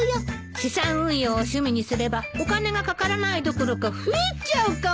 資産運用を趣味にすればお金がかからないどころか増えちゃうかも！